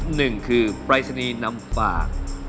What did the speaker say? หนึ่งคือปรายศนีย์นำฝาก